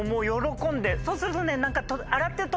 そうするとね何か。